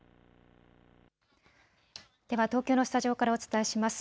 では東京のスタジオからお伝えします。